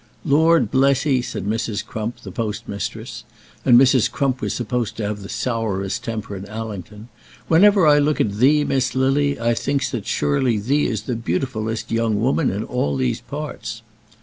"Lord bless 'ee," said Mrs. Crump, the postmistress, and Mrs. Crump was supposed to have the sourest temper in Allington, "whenever I look at thee, Miss Lily, I thinks that surely thee is the beautifulest young 'ooman in all these parts."